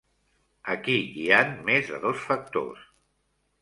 Aquí hi han més de dos factors.